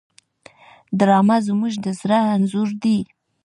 ډرامه زموږ د زړه انځور دی